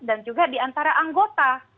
dan juga diantara anggota